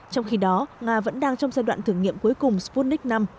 trong khi đó nga vẫn đang trong giai đoạn thử nghiệm cuối cùng sputnik v